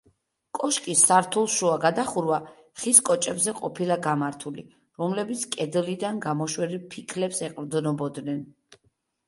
კოშკის სართულშუა გადახურვა ხის კოჭებზე ყოფილა გამართული, რომლებიც კედლიდან გამოშვერილ ფიქლებს ეყრდნობოდნენ.